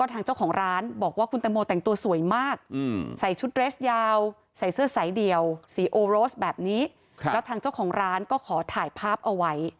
แบบนี้แล้วทางเจ้าของร้านก็ขอถ่ายภาพเอาไว้